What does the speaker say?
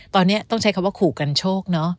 ตอนนี้ต้องใช้คำว่าขู่กันโชคเนอะ